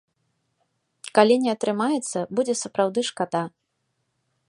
Калі не атрымаецца, будзе сапраўды шкада.